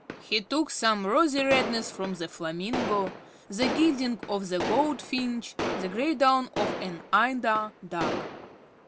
He took some rosy redness from the Flamingo, the gilding of the Goldfinch, the gray down of an Eider Duck.